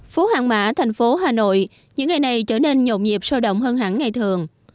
phố hàng mã thành phố hà nội những ngày này trở nên nhộn nhịp sôi động hơn hẳn ngày thường